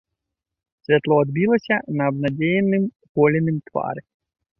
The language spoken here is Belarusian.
Святло адбілася на абнадзееным голеным твары.